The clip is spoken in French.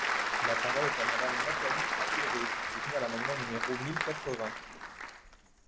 La parole est à Madame Nathalie Appéré, pour soutenir l’amendement numéro mille quatre-vingts.